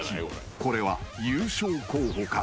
［これは優勝候補か？］